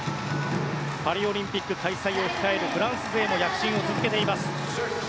パリオリンピック開催を控えるフランス勢も躍進を続けます。